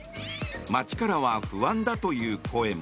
街からは不安だという声も。